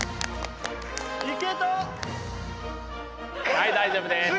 はい大丈夫です。